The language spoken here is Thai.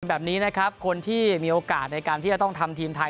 แบบนี้นะครับคนที่มีโอกาสในการที่จะต้องทำทีมไทย